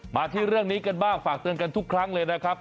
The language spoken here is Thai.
มาที่เรื่องนี้กันบ้างฝากเตือนกันทุกครั้งเลยนะครับ